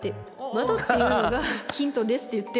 窓っていうのがヒントですって言ってんのにさ